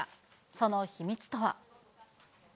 その秘密とは。